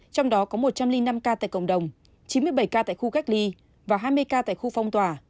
trong đó có một trăm linh năm ca tại cộng đồng chín mươi bảy ca tại khu cách ly và hai mươi ca tại khu phong tỏa